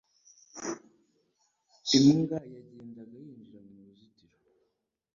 Imbwa yagendaga yinjira mu ruzitiro.